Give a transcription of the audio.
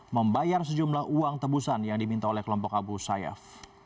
membayar sejumlah uang tebusan yang diminta oleh kelompok abu sayyaf